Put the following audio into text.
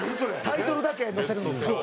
タイトルだけ載せるんですか？